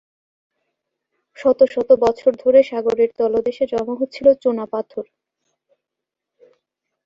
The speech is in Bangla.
শত শত বছর ধরে সাগরের তলদেশে জমা হচ্ছিল চুনাপাথর।